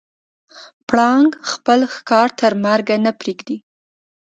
پړانګ خپل ښکار تر مرګه نه پرېږدي.